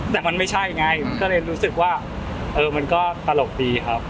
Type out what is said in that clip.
แต่มันไม่ใช่ไงก็เลยรู้สึกว่าเออมันก็ตลกดีครับ